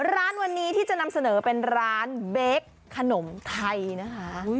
ร้านวันนี้ที่จะนำเสนอเป็นร้านเบคขนมไทยนะคะ